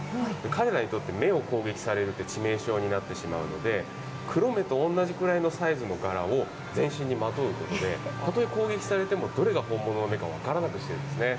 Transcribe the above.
彼らにとって、目を攻撃されるって、致命傷になってしまうので、黒目と同じくらいのサイズの柄を全身にまとってるので、たとえ攻撃されても、どれが本物の目か、分からなくしてるんですね。